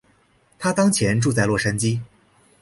她当前住在洛杉矶。